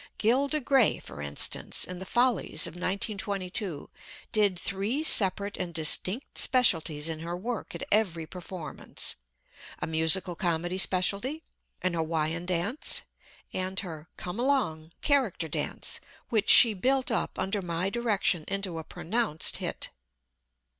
Gilda Gray, for instance, in the Follies of 1922 did three separate and distinct specialties in her work at every performance: A musical comedy specialty, an Hawaiian dance, and her "Come Along" character dance, which she built up under my direction into a pronounced hit.